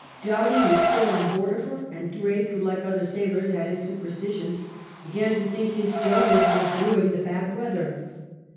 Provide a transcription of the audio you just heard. Doughty was still on board of her, and Drake, who like other sailors had his superstitions, began to think his Jonahs were brewing the bad weather.